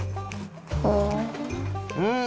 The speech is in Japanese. うん。